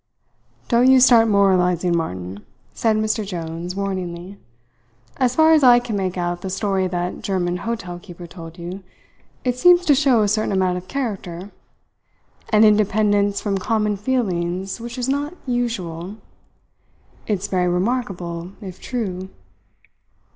"Don't you start moralizing, Martin," said Mr. Jones warningly. "As far as I can make out the story that German hotel keeper told you, it seems to show a certain amount of character; and independence from common feelings which is not usual. It's very remarkable, if true."